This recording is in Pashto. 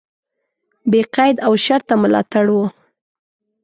بې قید او شرطه ملاتړ و.